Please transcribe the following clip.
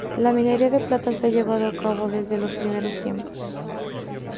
La minería de plata se ha llevado a cabo desde los primeros tiempos.